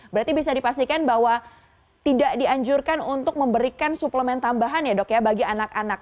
berarti bisa dipastikan bahwa tidak dianjurkan untuk memberikan suplemen tambahan ya dok ya bagi anak anak